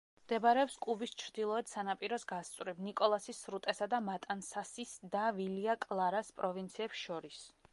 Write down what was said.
მდებარეობს კუბის ჩრდილოეთ სანაპიროს გასწვრივ, ნიკოლასის სრუტესა და მატანსასის და ვილია-კლარას პროვინციებს შორის.